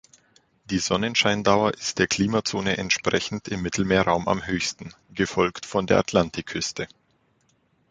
Die Sonnenscheindauer ist der Klimazone entsprechend im Mittelmeerraum am höchsten, gefolgt von der Atlantikküste.